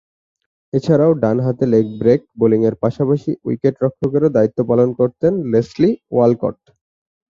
এছাড়াও ডানহাতে leg break বোলিংয়ের পাশাপাশি উইকেট-রক্ষকেরও দায়িত্ব পালন করতেন লেসলি ওয়ালকট।